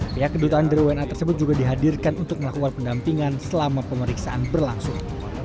pihak kedutaan dari wna tersebut juga dihadirkan untuk melakukan pendampingan selama pemeriksaan berlangsung